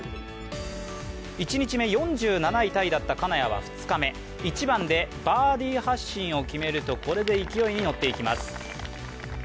１日目４７位タイだった金谷は２日目、１番でバーディー発進を決めるとこれで勢いに乗っていきます。